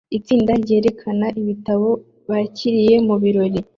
Itsinda ryerekana ibitabo bakiriye mubirori